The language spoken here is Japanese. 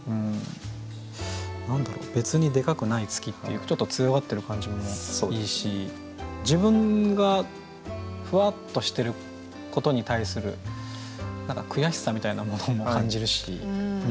何だろう「別にデカくない月」っていうちょっと強がってる感じもいいし自分がふわっとしてることに対する何か悔しさみたいなものも感じるし。